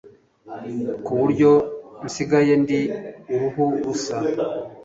ku buryo nsigaye ndi uruhu rusa